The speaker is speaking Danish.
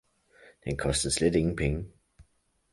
den kostede slet ingen penge.